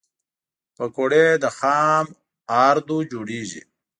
پکورې له خام آردو جوړېږي